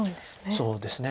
そうですね。